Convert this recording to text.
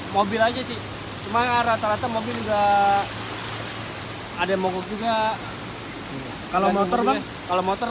mobil aja sih cuma rata rata mobil udah ada yang mogok juga kalau motor kalau motor